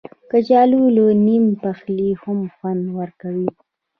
کچالو له نیم پخلي هم خوند ورکوي